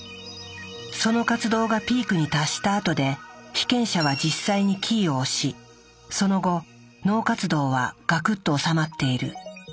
その活動がピークに達したあとで被験者は実際にキーを押しその後脳活動はガクッとおさまっている。